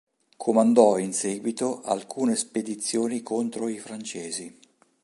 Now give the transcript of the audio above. Comandò in seguito alcune spedizioni contro i francesi.